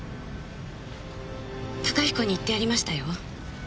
高彦に言ってやりましたよ。